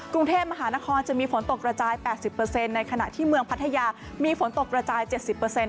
กรุงเทพมหานครจะมีฝนตกระจายแปดสิบเปอร์เซ็นต์ในขณะที่เมืองพัทยามีฝนตกระจายเจ็ดสิบเปอร์เซ็นต์